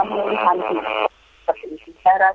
dengan ciri ciri dia ya mbak